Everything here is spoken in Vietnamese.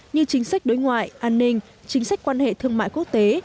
như chính sách đối ngoại an ninh chính sách quan hệ thương mại quốc tế